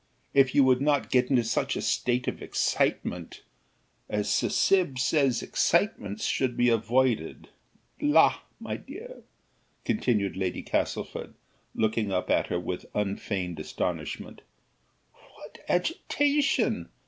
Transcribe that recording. If you would not get into such a state of excitement! as Sir Sib says excitements should be avoided. La! my dear," continued Lady Castlefort, looking up at her with unfeigned astonishment, "what agitation!